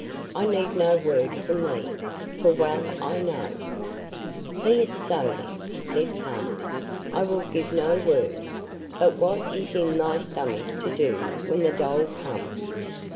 I need no Word from thee, for well I know " "Be it so, then," said Kaa. "I will give no Word; but what is in thy stomach to do when the dhole come?"